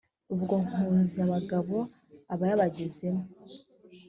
ubwo nkunzabagabo abayabagezemo